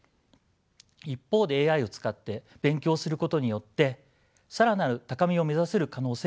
一方でＡＩを使って勉強することによって更なる高みを目指せる可能性もあります。